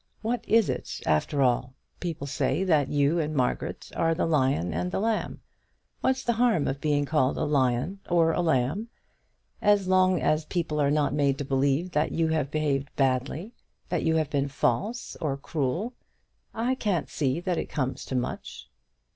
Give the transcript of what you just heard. What is it after all? People say that you and Margaret are the Lion and the Lamb. What's the harm of being called a lamb or a lion either? As long as people are not made to believe that you have behaved badly, that you have been false or cruel, I can't see that it comes to much.